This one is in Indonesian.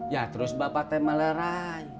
ya terus bapak t malerai